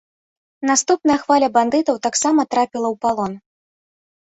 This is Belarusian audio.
Наступная хваля бандытаў таксама трапіла ў палон.